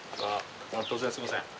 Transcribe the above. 突然すいません。